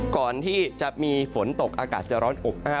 ก่อนที่จะมีฝนตกอากาศจะร้อนอบ